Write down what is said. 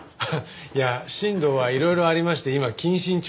いや新藤はいろいろありまして今謹慎中なんですよ。